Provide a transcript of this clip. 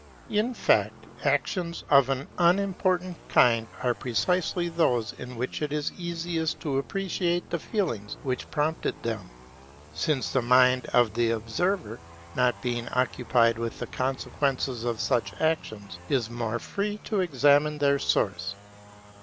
In fact, actions of an unimportant kind are precisely those in which it is easiest to appreciate the feelings which prompted them; since the mind of the observer, not being occupied with the consequences of such actions, is more free to examine their source.